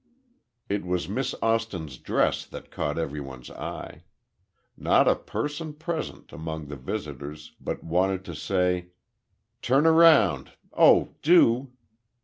It was Miss Austin's dress that caught every one's eye. Not a person present, among the visitors, but wanted to say, "turn around—oh, do!"